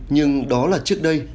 nhưng đó là trước đây